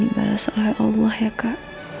ibarat seolah allah ya kak